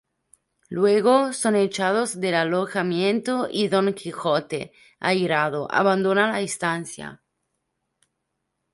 Luego, son echados del alojamiento y don Quijote, airado, abandona la estancia.